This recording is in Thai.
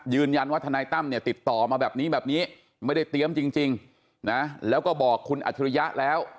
ทนายตั้มเนี่ยติดต่อมาแบบนี้แบบนี้ไม่ได้เตรียมจริงนะแล้วก็บอกคุณอัจฉริยะแล้ว